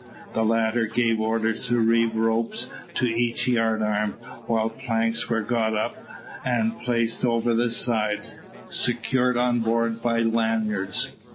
The latter gave orders to reeve ropes to each yard arm, while planks were got up and placed over the sides, secured on board by lanyards.